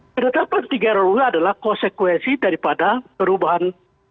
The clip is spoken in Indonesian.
penetapan tiga ruu adalah konsekuensi daripada perubahan